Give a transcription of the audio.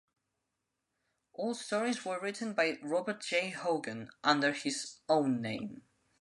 All stories were written by Robert J. Hogan, under his own name.